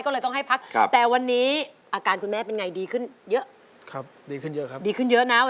เป็นอย่างไรคุณแม่อาการเป็นอย่างไรคะดีขึ้นหรือยัง